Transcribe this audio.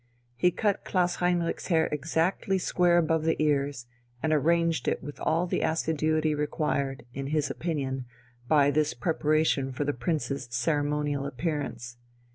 He cut Klaus Heinrich's hair exactly square above the ears, and arranged it with all the assiduity required, in his opinion, by this preparation for the Prince's ceremonial appearance.